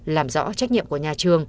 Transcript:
làm rõ trách nhiệm của nhà trường